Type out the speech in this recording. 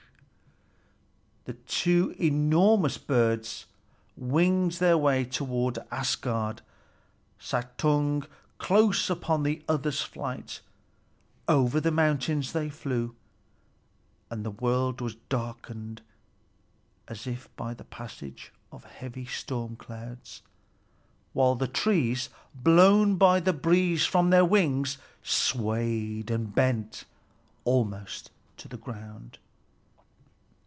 Whirr, whirr! The two enormous birds winged their way toward Asgard, Suttung close upon the other's flight. Over the mountains they flew, and the world was darkened as if by the passage of heavy storm clouds, while the trees, blown by the breeze from their wings, swayed, and bent almost to the ground.